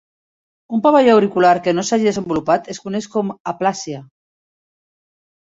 Un pavelló auricular que no s'hagi desenvolupat es coneix com a aplàsia.